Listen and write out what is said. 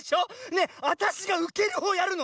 ねえわたしがうけるほうやるの？